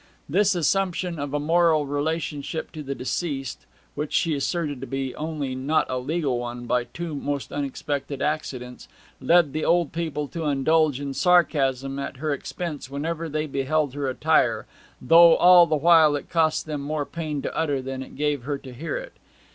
This assumption of a moral relationship to the deceased, which she asserted to be only not a legal one by two most unexpected accidents, led the old people to indulge in sarcasm at her expense whenever they beheld her attire, though all the while it cost them more pain to utter than it gave her to hear it.